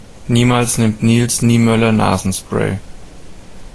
Niemals nimmt Nils Niemöller Nasenspray.